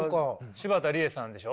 柴田理恵さんでしょ？